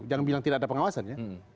jangan bilang tidak ada pengawasannya